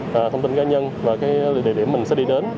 và thông tin cá nhân và cái địa điểm mình sẽ đi đến